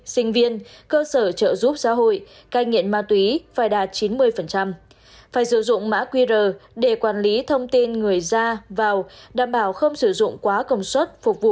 sinh viên cơ sở trợ giúp